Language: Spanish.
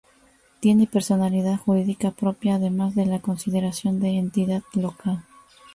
Tiene personalidad jurídica propia, además de la consideración de entidad local.